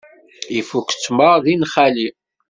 Ifukk ttmeṛ di nnxali.